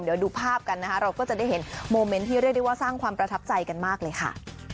เดี๋ยวดูภาพกันนะคะเราก็จะได้เห็นโมเมนต์ที่เรียกได้ว่าสร้างความประทับใจกันมากเลยค่ะ